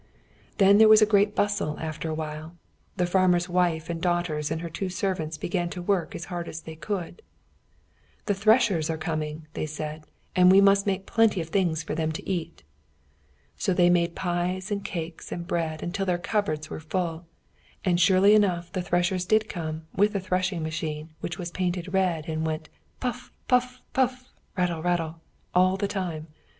Then there was a great bustle after a while. The farmer's wife and daughters and her two servants began to work as hard as they could. "The threshers are coming," they said, "and we must make plenty of things for them to eat." So they made pies and cakes and bread until their cupboards were full; and surely enough the threshers did come with the threshing machine, which was painted red, and went "Puff! puff! puff! rattle! rattle!" all the time.